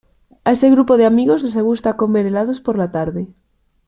A ese grupo de amigos les gusta comer helados por la tarde.